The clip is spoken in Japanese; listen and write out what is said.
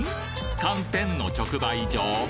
寒天の直売所？